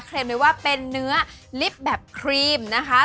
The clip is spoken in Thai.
เคลมได้ว่าเป็นเนื้อลิปแบบครีมนะคะ